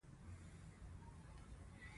دروازې یې ورپسې وتړلې.